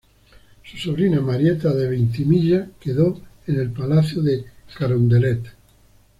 Su sobrina Marieta de Veintimilla, quedó en el Palacio De Carondelet.